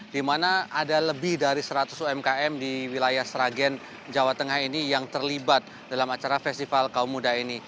di mana ada lebih dari seratus umkm di wilayah sragen jawa tengah ini yang terlibat dalam acara festival kaum muda ini